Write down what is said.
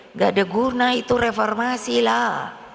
nggak ada guna itu reformasi lah